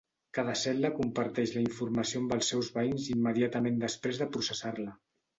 Cada cel·la comparteix la informació amb els seus veïns immediatament després de processar-la.